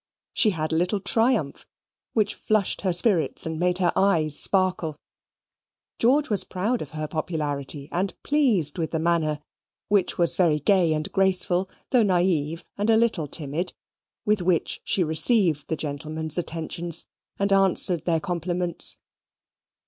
She had a little triumph, which flushed her spirits and made her eyes sparkle. George was proud of her popularity, and pleased with the manner (which was very gay and graceful, though naive and a little timid) with which she received the gentlemen's attentions, and answered their compliments.